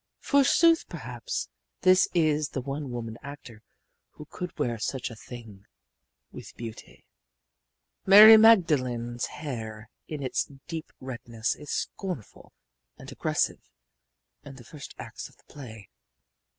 Forsooth, perhaps this is the one woman actor who could wear such a thing with beauty. Mary Magdalene's hair in its deep redness is scornful and aggressive in the first acts of the play.